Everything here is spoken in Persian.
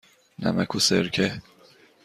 نمک و سرکه.